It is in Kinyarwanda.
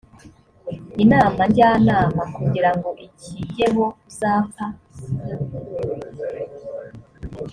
inama njyanama kugira ngo ikigeho uzapfa